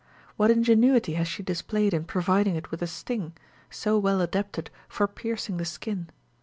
What ingenuity has she displayed in providing it with a sting,3 so well adapted for piercing the skin